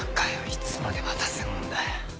いつまで待たせんだよ。